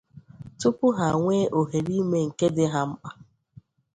tupu ha nwee ohere ime ihe nke dị ha mkpa.